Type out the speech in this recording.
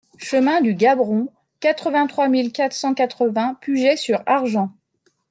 Chemin du Gabron, quatre-vingt-trois mille quatre cent quatre-vingts Puget-sur-Argens